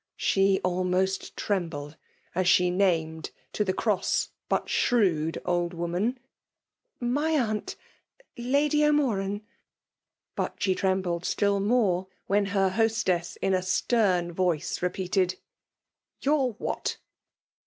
Ska almost trembled as she named to the cross but shrewd old woman, *' My aunt. Lady O'Moran;*" but she trembled still more when her hostess in a stem voice repeated —" Your what